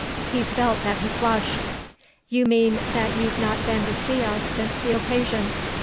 He felt that he flushed. "You mean that you've not been to see us since the occasion."